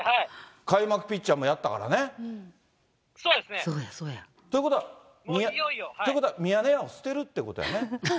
開幕ピッチャーもやったからね。ということは、ミヤネ屋を捨てるってことやね？